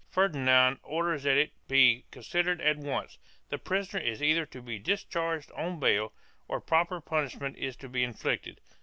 Ferdinand orders that it be con sidered at once; the prisoner is either to be discharged on bail or proper punishment is to be inflicted.